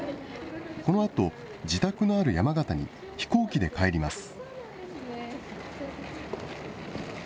このあと、自宅のある山形に飛行機で帰ります。